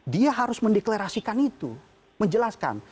dia harus mendeklarasikan itu menjelaskan